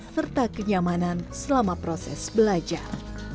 serta kenyamanan selama proses belajar